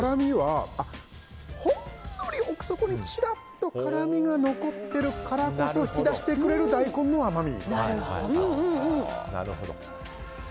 ほんのり奥底にちらっと辛みが残ってるからこそ引き出してくれる大根の甘み。